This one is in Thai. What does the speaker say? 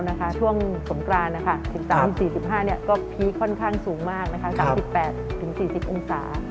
สวัสดีคุณภูมิน่าจะร้อนกับปีที่แล้วช่วงสมกราน๓๔๕ก็พีชค่อนข้างสูงมาก๓๘๔๐องศา